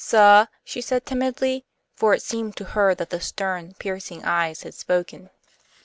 "Suh?" she said, timidly, for it seemed to her that the stern, piercing eyes had spoken.